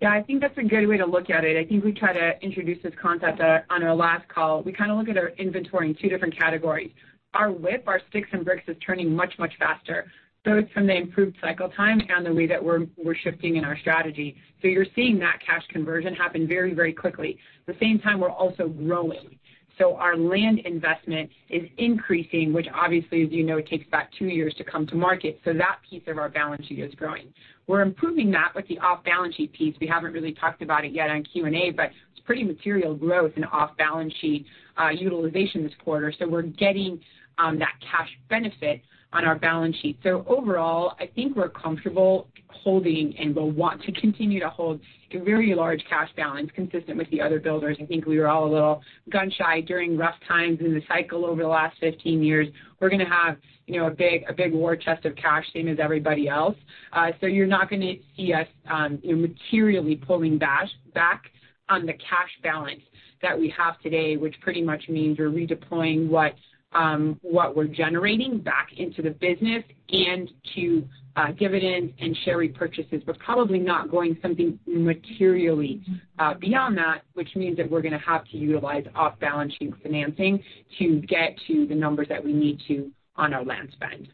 Yeah. I think that's a good way to look at it. I think we tried to introduce this concept on our last call. We kind of look at our inventory in two different categories. Our WIP, our sticks and bricks, is turning much, much faster, both from the improved cycle time and the way that we're shifting in our strategy. So you're seeing that cash conversion happen very, very quickly. At the same time, we're also growing. So our land investment is increasing, which obviously, as you know, takes about two years to come to market. So that piece of our balance sheet is growing. We're improving that with the off-balance sheet piece. We haven't really talked about it yet on Q&A, but it's pretty material growth in off-balance sheet utilization this quarter. So we're getting that cash benefit on our balance sheet. So overall, I think we're comfortable holding and will want to continue to hold a very large cash balance consistent with the other builders. I think we were all a little gun-shy during rough times in the cycle over the last 15 years. We're going to have a big war chest of cash, same as everybody else. So you're not going to see us materially pulling back on the cash balance that we have today, which pretty much means we're redeploying what we're generating back into the business and to dividends and share repurchases. We're probably not going something materially beyond that, which means that we're going to have to utilize off-balance sheet financing to get to the numbers that we need to on our land spend.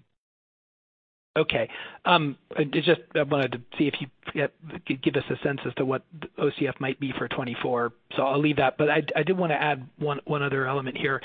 Okay. I just wanted to see if you could give us a sense as to what OCF might be for 2024. So I'll leave that. But I did want to add one other element here.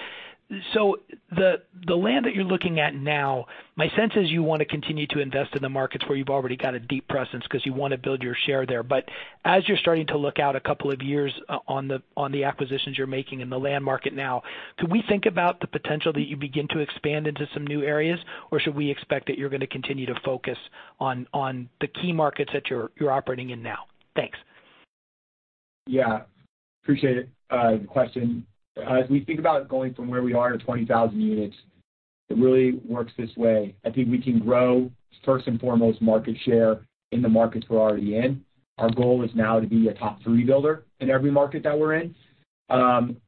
So the land that you're looking at now, my sense is you want to continue to invest in the markets where you've already got a deep presence because you want to build your share there. But as you're starting to look out a couple of years on the acquisitions you're making in the land market now, could we think about the potential that you begin to expand into some new areas, or should we expect that you're going to continue to focus on the key markets that you're operating in now? Thanks. Yeah. Appreciate the question. As we think about going from where we are to 20,000 units, it really works this way. I think we can grow, first and foremost, market share in the markets we're already in. Our goal is now to be a top three builder in every market that we're in.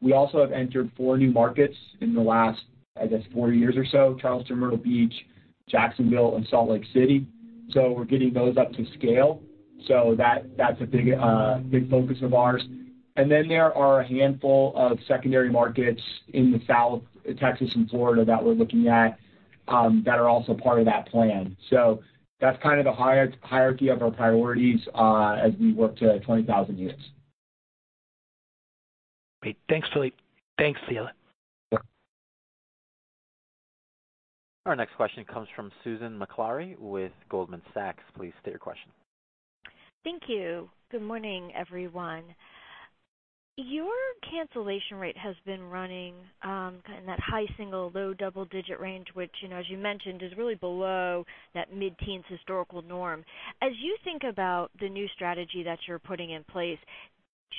We also have entered four new markets in the last, I guess, four years or so: Charleston, Myrtle Beach, Jacksonville, and Salt Lake City. So we're getting those up to scale. So that's a big focus of ours. And then there are a handful of secondary markets in the South, Texas, and Florida that we're looking at that are also part of that plan. So that's kind of the hierarchy of our priorities as we work to 20,000 units. Great. Thanks, Philippe. Thanks, Hilla. Our next question comes from Susan Maklari with Goldman Sachs. Please state your question. Thank you. Good morning, everyone. Your cancellation rate has been running in that high single- to low double-digit range, which, as you mentioned, is really below that mid-teens historical norm. As you think about the new strategy that you're putting in place,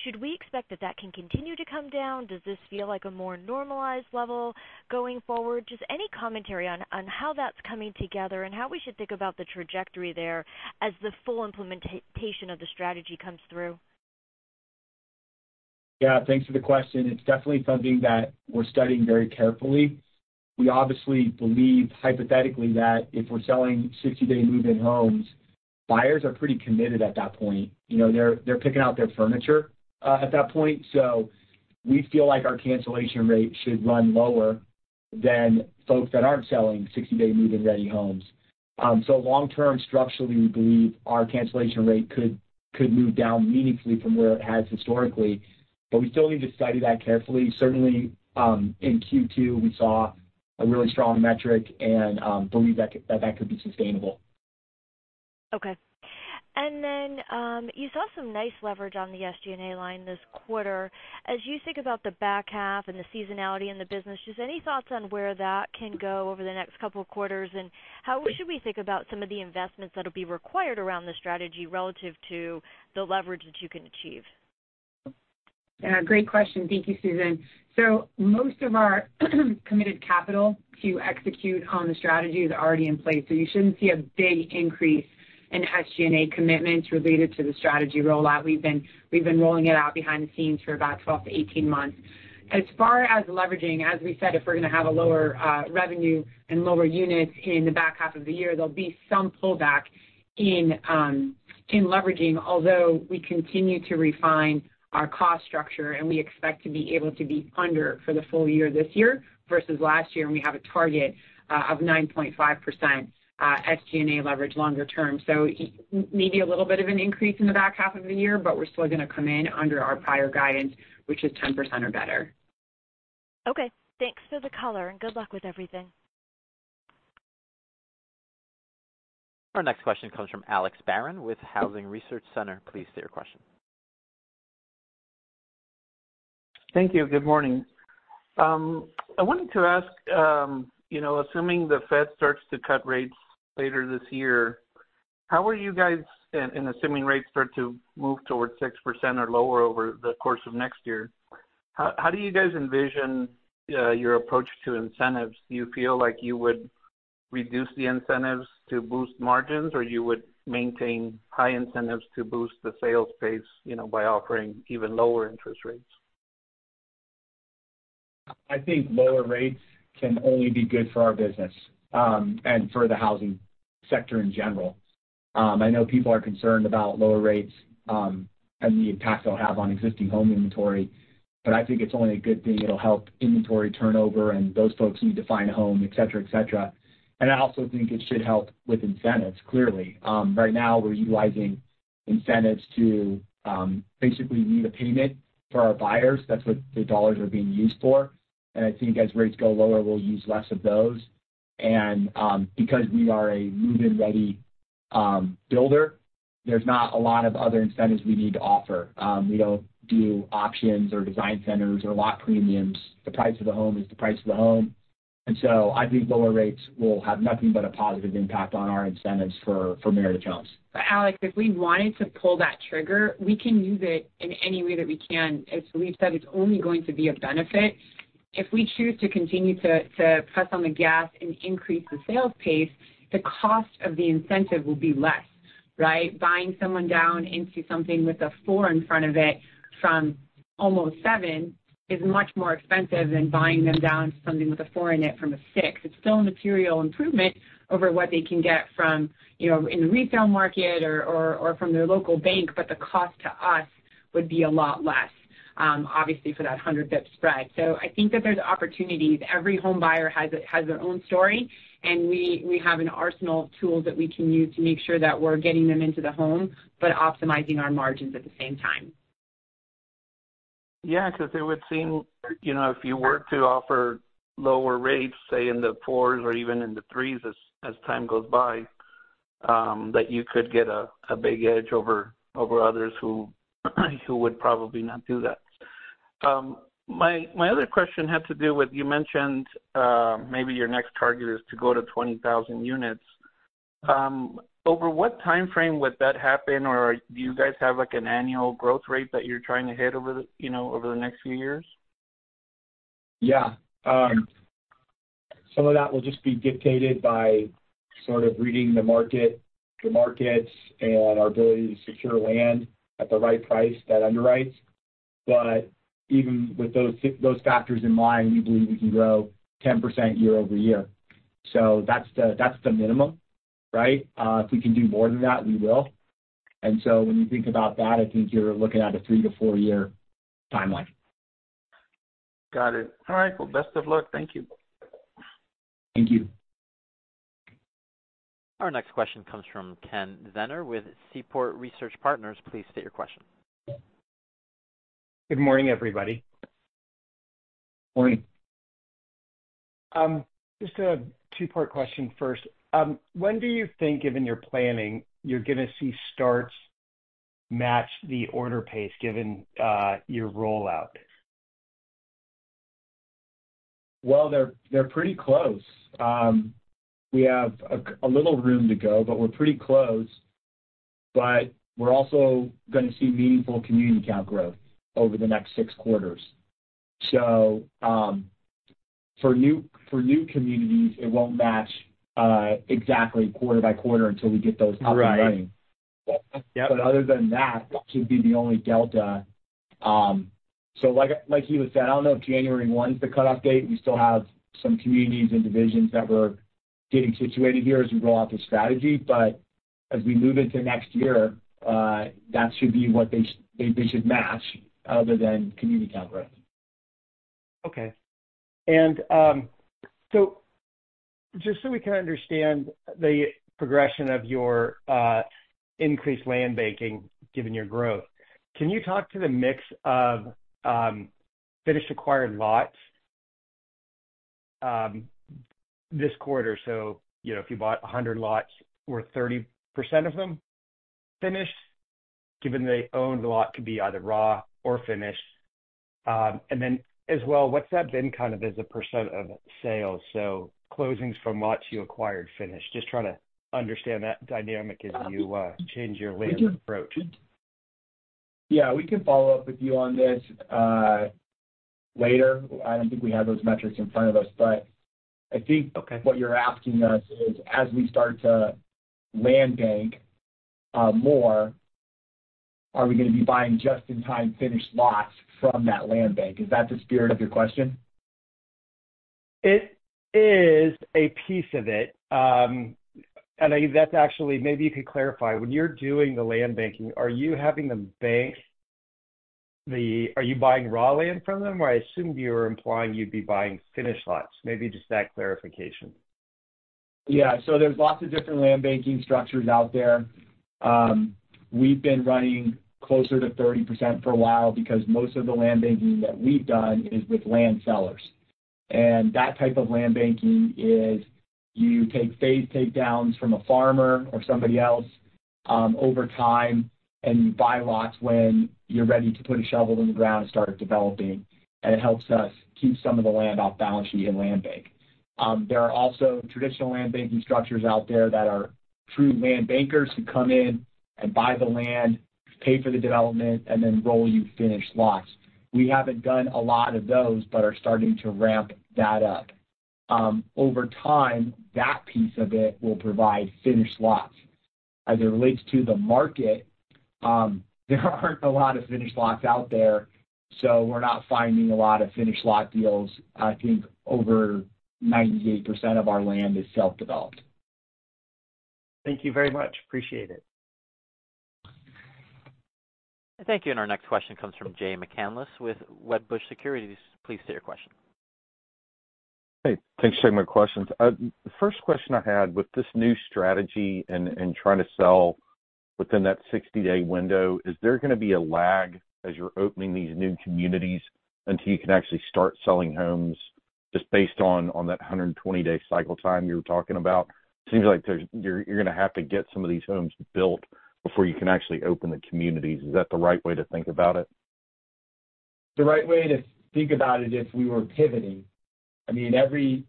should we expect that that can continue to come down? Does this feel like a more normalized level going forward? Just any commentary on how that's coming together and how we should think about the trajectory there as the full implementation of the strategy comes through? Yeah. Thanks for the question. It's definitely something that we're studying very carefully. We obviously believe, hypothetically, that if we're selling 60-day move-in homes, buyers are pretty committed at that point. They're picking out their furniture at that point. So we feel like our cancellation rate should run lower than folks that aren't selling 60-day move-in-ready homes. So long-term, structurally, we believe our cancellation rate could move down meaningfully from where it has historically. But we still need to study that carefully. Certainly, in Q2, we saw a really strong metric and believe that that could be sustainable. Okay. And then you saw some nice leverage on the SG&A line this quarter. As you think about the back half and the seasonality in the business, just any thoughts on where that can go over the next couple of quarters? How should we think about some of the investments that will be required around the strategy relative to the leverage that you can achieve? Yeah. Great question. Thank you, Susan. So most of our committed capital to execute on the strategy is already in place. So you shouldn't see a big increase in SG&A commitments related to the strategy rollout. We've been rolling it out behind the scenes for about 12-18 months. As far as leveraging, as we said, if we're going to have a lower revenue and lower units in the back half of the year, there'll be some pullback in leveraging, although we continue to refine our cost structure. We expect to be able to be under for the full year this year versus last year. We have a target of 9.5% SG&A leverage longer term. So maybe a little bit of an increase in the back half of the year, but we're still going to come in under our prior guidance, which is 10% or better. Okay. Thanks for the color. And good luck with everything. Our next question comes from Alex Barron with Housing Research Center. Please state your question. Thank you. Good morning. I wanted to ask, assuming the Fed starts to cut rates later this year, how are you guys, and assuming rates start to move towards 6% or lower over the course of next year, how do you guys envision your approach to incentives? Do you feel like you would reduce the incentives to boost margins, or you would maintain high incentives to boost the sales pace by offering even lower interest rates? I think lower rates can only be good for our business and for the housing sector in general. I know people are concerned about lower rates and the impact they'll have on existing home inventory. But I think it's only a good thing. It'll help inventory turnover and those folks need to find a home, etc., etc. And I also think it should help with incentives, clearly. Right now, we're utilizing incentives to basically need a payment for our buyers. That's what the dollars are being used for. And I think as rates go lower, we'll use less of those. And because we are a move-in-ready builder, there's not a lot of other incentives we need to offer. We don't do options or design centers or lot premiums. The price of the home is the price of the home. And so I think lower rates will have nothing but a positive impact on our incentives for Meritage Homes. Alex, if we wanted to pull that trigger, we can use it in any way that we can. As we've said, it's only going to be a benefit. If we choose to continue to press on the gas and increase the sales pace, the cost of the incentive will be less, right? Buying someone down into something with a four in front of it from almost seven is much more expensive than buying them down to something with a four in it from a six. It's still a material improvement over what they can get from in the retail market or from their local bank, but the cost to us would be a lot less, obviously, for that 100 basis point spread. So I think that there's opportunities. Every home buyer has their own story. We have an arsenal of tools that we can use to make sure that we're getting them into the home but optimizing our margins at the same time. Yeah. Because it would seem if you were to offer lower rates, say, in the 4s or even in the 3s as time goes by, that you could get a big edge over others who would probably not do that. My other question had to do with you mentioned maybe your next target is to go to 20,000 units. Over what timeframe would that happen? Or do you guys have an annual growth rate that you're trying to hit over the next few years? Yeah. Some of that will just be dictated by sort of reading the markets and our ability to secure land at the right price that underwrites. But even with those factors in mind, we believe we can grow 10% year-over-year. So that's the minimum, right? If we can do more than that, we will. And so when you think about that, I think you're looking at a 3-4-year timeline. Got it. All right. Well, best of luck. Thank you. Thank you. Our next question comes from Kenneth Zener with Seaport Research Partners. Please state your question. Good morning, everybody. Morning. Just a two part question first. When do you think, given your planning, you're going to see starts match the order pace given your rollout? Well, they're pretty close. We have a little room to go, but we're pretty close. But we're also going to see meaningful community count growth over the next six quarters. So for new communities, it won't match exactly quarter-by-quarter until we get those up and running. But other than that, that should be the only delta. So like Hilla said, I don't know if January 1 is the cutoff date. We still have some communities and divisions that we're getting situated here as we roll out the strategy. But as we move into next year, that should be what they should match other than community account growth. Okay. And so just so we can understand the progression of your increased land banking given your growth, can you talk to the mix of finished acquired lots this quarter? So if you bought 100 lots, were 30% of them finished? Given they owned a lot, it could be either raw or finished. And then as well, what's that been kind of as a % of sales? So closings from lots you acquired finished. Just trying to understand that dynamic as you change your land approach. Yeah. We can follow up with you on this later. I don't think we have those metrics in front of us. But I think what you're asking us is, as we start to land bank more, are we going to be buying just-in-time finished lots from that land bank? Is that the spirit of your question? It is a piece of it. And I think that's actually maybe you could clarify. When you're doing the land banking, are you having them bank? Are you buying raw land from them? Or I assumed you were implying you'd be buying finished lots. Maybe just that clarification. Yeah. So there's lots of different land banking structures out there. We've been running closer to 30% for a while because most of the land banking that we've done is with land sellers. And that type of land banking is you take phase takedowns from a farmer or somebody else over time, and you buy lots when you're ready to put a shovel in the ground and start developing. And it helps us keep some of the land off-balance sheet and land bank. There are also traditional land banking structures out there that are true land bankers who come in and buy the land, pay for the development, and then roll you finished lots. We haven't done a lot of those but are starting to ramp that up. Over time, that piece of it will provide finished lots. As it relates to the market, there aren't a lot of finished lots out there. So we're not finding a lot of finished lot deals. I think over 98% of our land is self-developed. Thank you very much. Appreciate it. Thank you. Our next question comes from Jay McCanless with Wedbush Securities. Please state your question. Hey. Thanks for taking my questions. First question I had with this new strategy and trying to sell within that 60-day window, is there going to be a lag as you're opening these new communities until you can actually start selling homes just based on that 120-day cycle time you were talking about? Seems like you're going to have to get some of these homes built before you can actually open the communities. Is that the right way to think about it? The right way to think about it is we were pivoting. I mean, every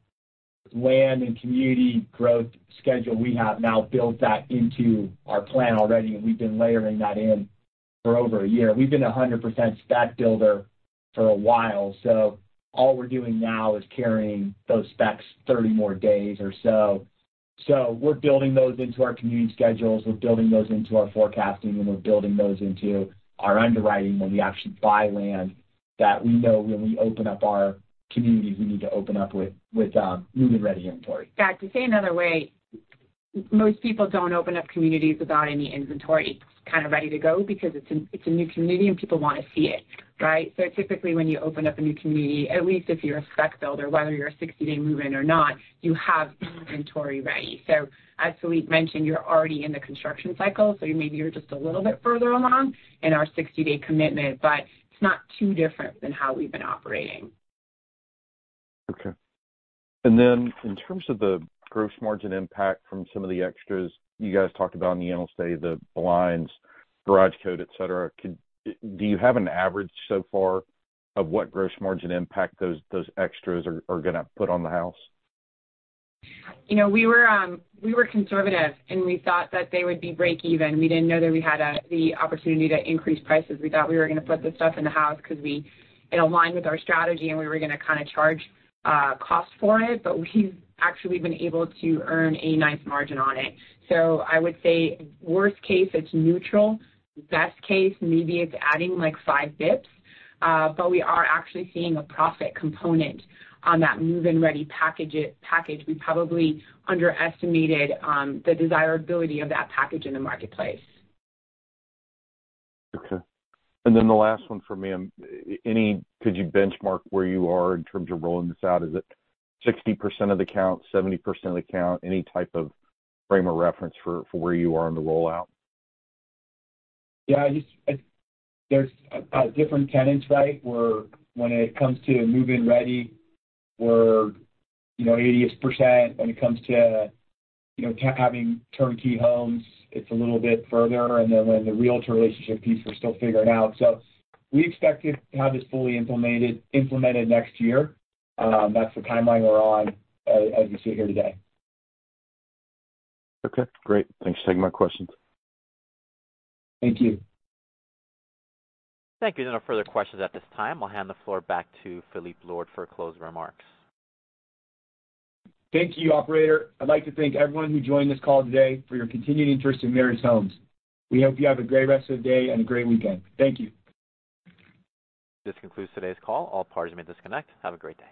land and community growth schedule we have now built that into our plan already. We've been layering that in for over a year. We've been a 100% spec builder for a while. So all we're doing now is carrying those specs 30 more days or so. So we're building those into our community schedules. We're building those into our forecasting. And we're building those into our underwriting when we actually buy land that we know when we open up our communities, we need to open up with move-in-ready inventory. Gotcha. Say another way. Most people don't open up communities without any inventory kind of ready to go because it's a new community and people want to see it, right? So typically when you open up a new community, at least if you're a spec builder, whether you're a 60-day move-in or not, you have inventory ready. So as Philippe mentioned, you're already in the construction cycle. So maybe you're just a little bit further along in our 60-day commitment. But it's not too different than how we've been operating. Okay. And then in terms of the gross margin impact from some of the extras you guys talked about in the innerstate, the blinds, garage code, etc., do you have an average so far of what gross margin impact those extras are going to put on the house? We were conservative. We thought that they would be break-even. We didn't know that we had the opportunity to increase prices. We thought we were going to put this stuff in the house because it aligned with our strategy and we were going to kind of charge cost for it. But we've actually been able to earn a nice margin on it. So I would say worst case, it's neutral. Best case, maybe it's adding like 5 bps. But we are actually seeing a profit component on that move-in-ready package. We probably underestimated the desirability of that package in the marketplace. Okay. And then the last one for me, could you benchmark where you are in terms of rolling this out? Is it 60% of the account, 70% of the account? Any type of frame of reference for where you are in the rollout? Yeah. There's different tenets, right? When it comes to move-in ready, we're 80%. When it comes to having turnkey homes, it's a little bit further. And then when the Realtor relationship piece we're still figuring out. So we expect to have this fully implemented next year. That's the timeline we're on as we sit here today. Okay. Great. Thanks for taking my questions. Thank you. Thank you. There are no further questions at this time. I'll hand the floor back to Philippe Lord for closing remarks. Thank you, operator. I'd like to thank everyone who joined this call today for your continued interest in Meritage Homes. We hope you have a great rest of the day and a great weekend. Thank you. This concludes today's call. All parties may disconnect. Have a great day.